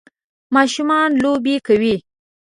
ماشومان لوبی کوی.